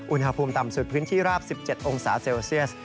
อุณหภูมิต่ำสุดพื้นที่ราบ๑๗องศาเซลเซียส